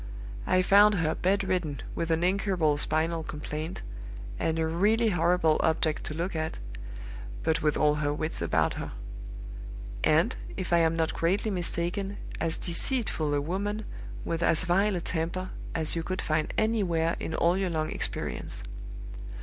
I found her bedridden with an incurable spinal complaint, and a really horrible object to look at, but with all her wits about her; and, if I am not greatly mistaken, as deceitful a woman, with as vile a temper, as you could find anywhere in all your long experience.